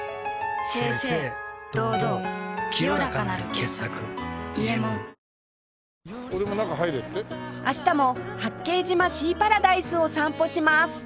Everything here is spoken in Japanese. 清々堂々清らかなる傑作「伊右衛門」明日も八景島シーパラダイスを散歩します